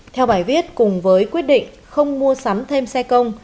theo bài viết cùng với quyết định không mua sắm thêm xe công